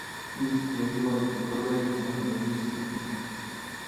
wiss chenguo kibokoit en ofisitnyu